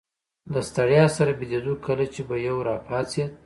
له ستړیا سره بیدېدو، کله چي به یو راپاڅېد.